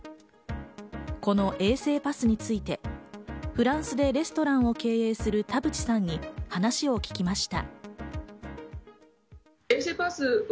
この衛生パスについて、フランスでレストランを経営する田淵さんに話を聞きました。